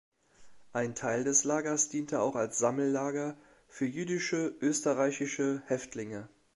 Ein Teil des Lagers diente auch als Sammellager für jüdische österreichische Häftlinge.